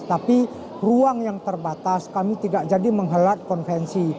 tapi ruang yang terbatas kami tidak jadi menghelat konvensi